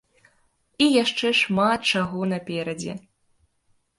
І яшчэ шмат чаго наперадзе.